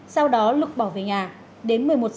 sau đó lục bỏ về nhà đến một mươi một h